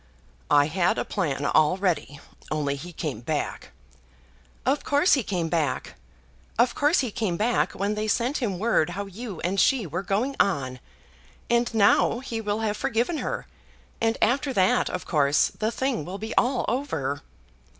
"I had a plan all ready; only he came back." "Of course he came back. Of course he came back, when they sent him word how you and she were going on. And now he will have forgiven her, and after that, of course, the thing will be all over."